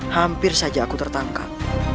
hampir saja aku tertangkap